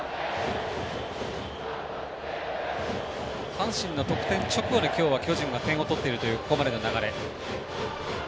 阪神の得点直後今日は巨人が点を取っているここまでの流れ。